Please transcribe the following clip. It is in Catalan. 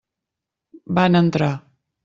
Van entrar.